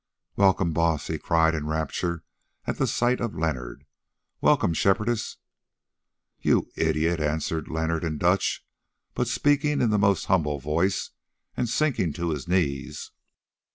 "Welcome, Baas!" he cried in rapture at the sight of Leonard. "Welcome, Shepherdess!" "You idiot!" answered Leonard in Dutch, but speaking in the most humble voice, and sinking to his knees.